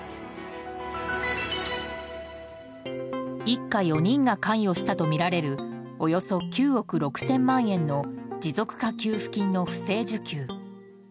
一家４人が関与したとみられるおよそ９億６０００万円の持続化給付金の不正受給。